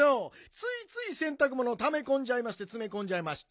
ついついせんたくものをためこんじゃいましてつめこんじゃいまして。